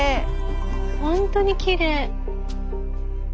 本当にきれい。